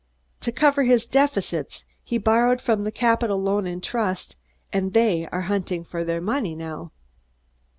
To cover his deficits, he borrowed from the Capitol Loan and Trust, and they are hunting for their money now."